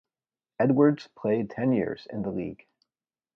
Edwards played ten years in the league.